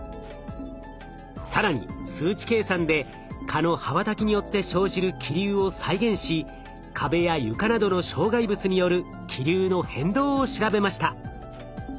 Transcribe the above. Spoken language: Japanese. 更に数値計算で蚊の羽ばたきによって生じる気流を再現し壁や床などの障害物による気流の変動を調べました。